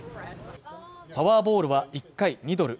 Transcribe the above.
パワーボールは１回２ドル